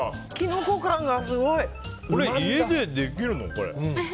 これ家でできるの？